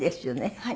はい。